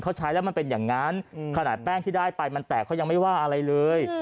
เขาใช้แล้วมันเป็นอย่างนั้นขนาดแป้งที่ได้ไปมันแตกเขายังไม่ว่าอะไรเลย